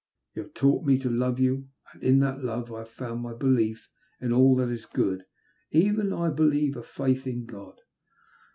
You have taught me to love you, and in that love I have found my belief in all that is good — even, I believe, a faith in God.